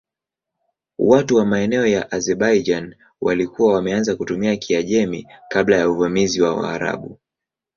Watu wa maeneo ya Azerbaijan walikuwa wameanza kutumia Kiajemi kabla ya uvamizi wa Waarabu.